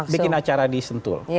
bikin acara di sentul